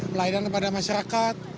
pelayanan kepada masyarakat